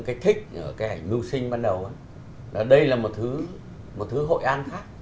cái thích ở cái ảnh ngu sinh ban đầu là đây là một thứ hội an khác